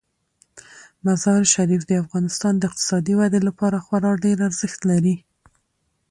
مزارشریف د افغانستان د اقتصادي ودې لپاره خورا ډیر ارزښت لري.